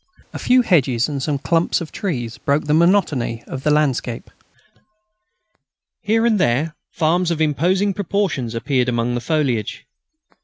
A few hedges and some clumps of trees broke the monotony of the landscape. Here and there farms of imposing proportions appeared among the foliage.